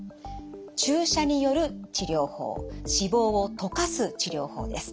注射による治療法脂肪を溶かす治療法です。